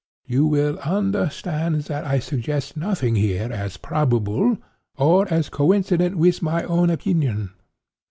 You will understand that I suggest nothing here as probable, or as cöincident with my own opinion.